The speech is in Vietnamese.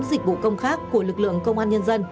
dịch vụ công khác của lực lượng công an nhân dân